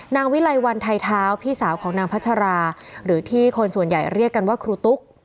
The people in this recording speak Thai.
วิไลวันไทยเท้าพี่สาวของนางพัชราหรือที่คนส่วนใหญ่เรียกกันว่าครูตุ๊ก